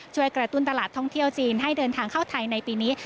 ช่วยกระตุ้นตลาดท่องเที่ยวจีนให้เดินทางเข้าไทยในปีนี้